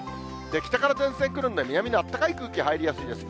北から前線来るんで、南のあったかい空気入りやすいです。